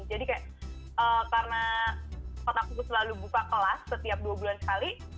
jadi kayak karena kota kuku selalu buka kelas setiap dua bulan sekali